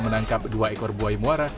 menangkap dua ekor buaya muara